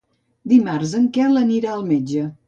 Dimarts en Quel anirà al metge.